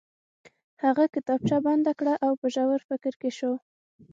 هغه کتابچه بنده کړه او په ژور فکر کې شو